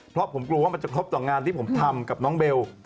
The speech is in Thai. เพราะผมกลัวว่ามันจะครบต่องานที่ผมทำกับน้องเบล